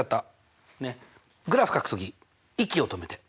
グラフかく時息を止めて。